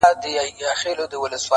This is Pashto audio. له هغې د مځكي مخ ورته سور اور وو!.